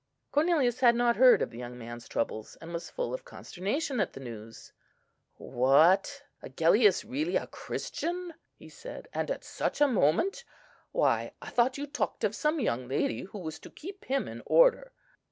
Cornelius had not heard of the young man's troubles, and was full of consternation at the news. "What! Agellius really a Christian?" he said, "and at such a moment? Why, I thought you talked of some young lady who was to keep him in order?"